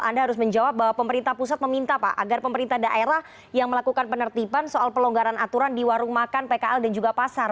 anda harus menjawab bahwa pemerintah pusat meminta pak agar pemerintah daerah yang melakukan penertiban soal pelonggaran aturan di warung makan pkl dan juga pasar